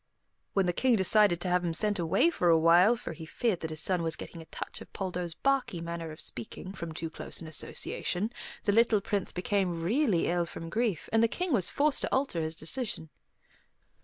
When the King decided to have him sent away for a while, for he feared that his son was getting a touch of Poldo's barky manner of speaking, from too close an association, the little Prince became really ill from grief, and the King was forced to alter his decision.